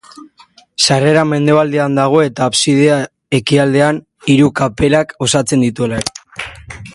Sarrera mendebaldean dago eta absidea ekialdean, hiru kaperak osatzen dutelarik.